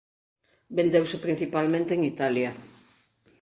Vendeuse principalmente en Italia.